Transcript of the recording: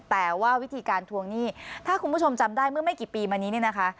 แต่ว่าวิธีการทวงหนี้ถ้าคุณผู้ชมจำได้เมื่อไม่กี่ปีมานี้เนี่ยนะคะ